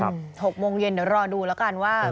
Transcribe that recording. ๖โมงเย็นเดี๋ยวรอดูแล้วกันว่า